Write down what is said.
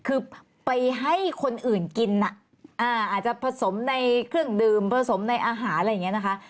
คือไปให้คนอื่นกินอาจจะผสมในเครื่องดื่มผสมในอาหารอะไรอย่างนี้นะคะ